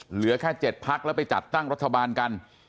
เหลือแค่๗พักแล้วไปจัดตั้งรัฐบาลกัน